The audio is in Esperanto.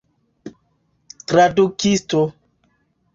tradukisto